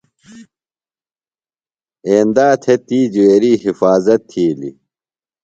ایندا تھےۡ تی جُویری حفاظت تِھیلیۡ۔